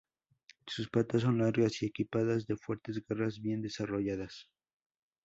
Sus patas son largas y equipadas de fuertes garras bien desarrolladas.